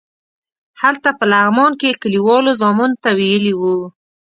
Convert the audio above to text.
هلته په لغمان کې کلیوالو زامنو ته ویلي وو.